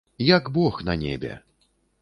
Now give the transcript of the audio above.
Як бог на небе!